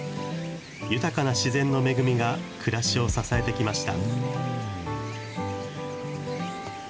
豊かな自然の恵みが暮らしを支えてきました。